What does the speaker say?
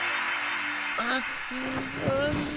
あっ。